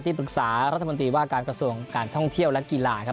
ปรึกษารัฐมนตรีว่าการกระทรวงการท่องเที่ยวและกีฬาครับ